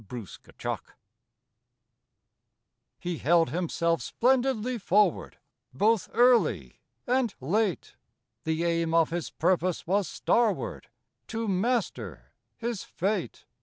ACHIEVEMENT He held himself splendidly forward Both early and late; The aim of his purpose was starward, To master his fate.